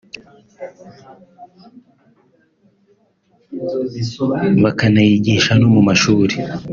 bakanayigisha no mu mashuri